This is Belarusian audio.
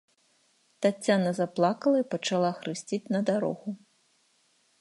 Таццяна заплакала і пачала хрысціць на дарогу.